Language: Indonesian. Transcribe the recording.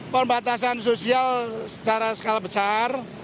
pembatasan sosial secara skala besar